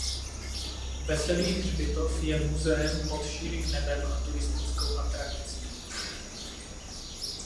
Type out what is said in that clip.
Veselý hřbitov je muzeem pod širým nebem a turistickou atrakcí.